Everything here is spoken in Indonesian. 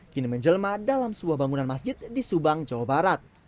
kini menjelma dalam sebuah bangunan masjid di subang jawa barat